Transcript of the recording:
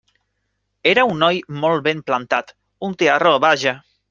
Era un noi molt ben plantat, un tiarró, vaja.